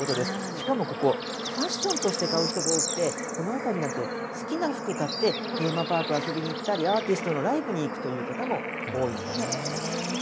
しかもここ、ファッションとして買う人が多くて、この辺りなんて、好きな服買ってテーマパーク遊びに行ったり、アーティストのライブに行くという方も多いんだそうです。